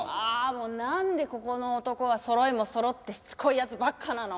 もうなんでここの男はそろいもそろってしつこいヤツばっかなの？